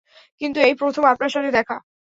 কিন্তু, এই প্রথম আপনার সাথে দেখা।